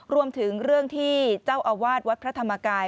รวมถึงเรื่องที่เจ้าอาวาสวัดพระธรรมกาย